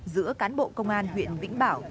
giữa cán bộ công an huyện vĩnh bảo